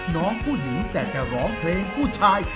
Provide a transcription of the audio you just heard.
น้องผู้หญิงแต่จะร้องเพลงผู้ชาย